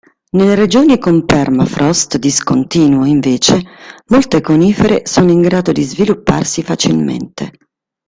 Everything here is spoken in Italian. Nelle regioni con permafrost discontinuo invece molte conifere sono in grado di svilupparsi facilmente.